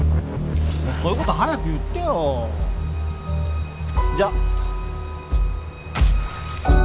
そういうこと早く言ってよ。じゃ。